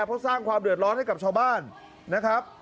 เพราะสร้างความเดือดร้อนให้กับชาวบ้านนะครับ